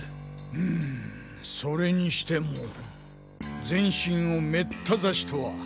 うむそれにしても全身を滅多刺しとは。